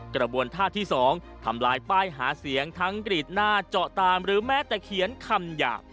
กระบวนท่าที่๒ทำลายป้ายหาเสียงทั้งกรีดหน้าเจาะตามหรือแม้แต่เขียนคำหยาบ